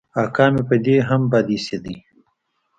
اکا مې په دې هم بد اېسېد.